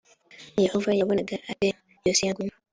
yehova yabonaga ate yosiya ngwino